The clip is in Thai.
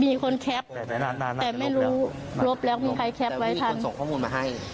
มีคนแคปแต่ไม่รู้ลบแล้วมีใครแคปไว้ทันส่งข้อมูลมาให้